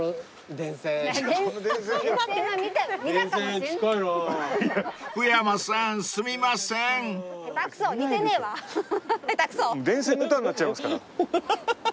電線の歌になっちゃいますから。